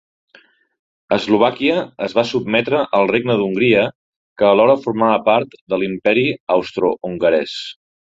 Eslovàquia es va sotmetre al Regne d'Hongria que alhora formava part de l'Imperi Austrohongarès.